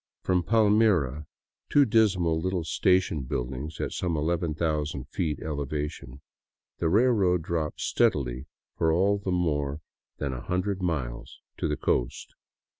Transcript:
From Palmira, — two dismal little station buildings at some ii, ooo feet elevation — the railroad drops steadily for all the more than a hundred miles to the coast.